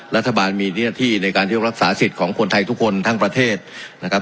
รัฐบาลมีหน้าที่ในการที่รักษาสิทธิ์ของคนไทยทุกคนทั้งประเทศนะครับ